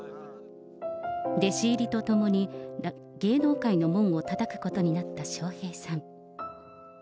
弟子入りとともに、芸能界の門をたたくことになった笑瓶さん。